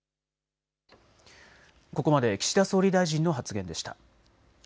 ここまで岸田総理大臣の発言でした。